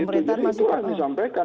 jadi itu yang disampaikan